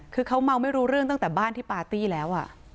คือเขาเมาไม่รู้เรื่องตั้งแต่บ้านที่ปาร์ตี้แล้ว